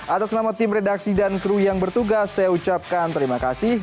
atas nama tim redaksi dan kru yang bertugas saya ucapkan terima kasih